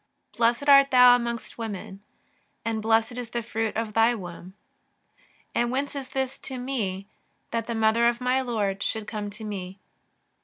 59 " Blessed art thou amongst women, and blessed is the fruit of thy womb. And whence is this to me that the Mother of my Lord should come to me